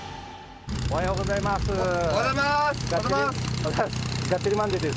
おはようございます